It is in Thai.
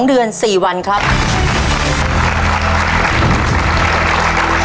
ตัวเลือกที่สี่อายุ๙๖ปี๔เดือน๘วัน